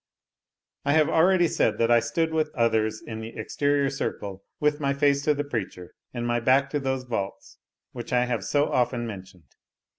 I have already said that I stood with others in the exterior circle, with my face to the preacher, and my back to those vaults which I have so often mentioned.